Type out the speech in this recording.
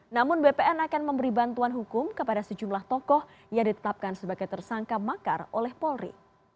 namun bpn akan memberi bantuan hukum kepada sejumlah tokoh yang ditetapkan sebagai tersangka makar oleh polri